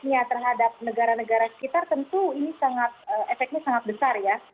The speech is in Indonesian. nya terhadap negara negara sekitar tentu efeknya sangat besar ya